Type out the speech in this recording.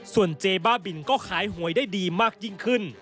ส่วนเจ๊บ้าบินก็ขายหวยได้ดีมากยิ่งขึ้น